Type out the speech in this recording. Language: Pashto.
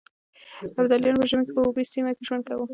ابدالیانو په ژمي کې په اوبې سيمه کې ژوند کاوه.